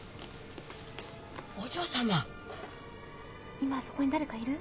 今そこに誰かいる？